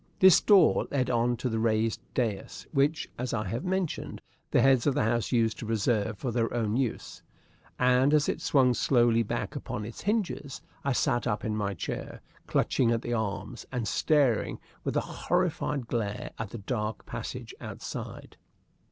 This door led on to the raised dais, which, as I have mentioned, the heads of the house used to reserve for their own use. As it swung slowly back upon its hinges, I sat up in my chair, clutching at the arms, and staring with a horrified glare at the dark passage outside.